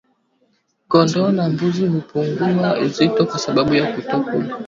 Kondoo na mbuzi hupungua uzito kwa sababu ya kutokula